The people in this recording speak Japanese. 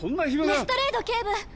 レストレード警部。